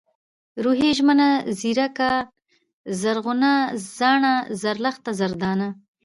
روهيلۍ ، ژمنه ، ژېړکه ، زرغونه ، زاڼه ، زرلښته ، زردانه